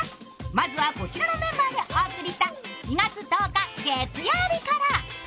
まずはこちらのメンバーでお送りした４月１０日月曜日から。